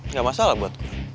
nggak masalah buat gue